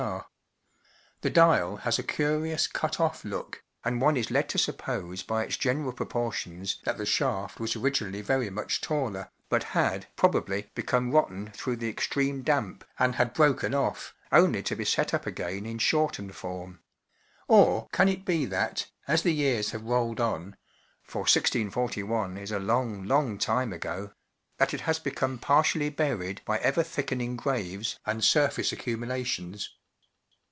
R, The dial has a curious cut off look, and one is led to suppose by its general pro¬ portions that the shaft was origin¬ ally very much taller, but had, probably, be¬ come rotten through the extreme damp, and had broken off, only to be set up again in shortened form; or, can it be that, as the years have rolled on — for 1641 is a long, long time ago— that it has become partially buried by ever thickening graves and surface accumulations?